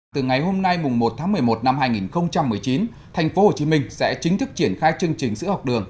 từ ngày hôm nay một tháng một mươi một năm hai nghìn một mươi chín tp hcm sẽ chính thức triển khai chương trình sữa học đường